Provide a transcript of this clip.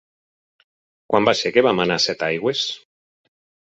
Quan va ser que vam anar a Setaigües?